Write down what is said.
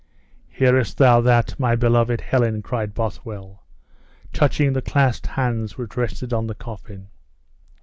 "Hearest thou that, my beloved Helen?" cried Bothwell, touching the clasped hands which rested on the coffin.